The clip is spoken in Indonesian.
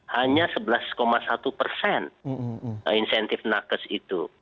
hanya sebelas satu persen insentif nakes itu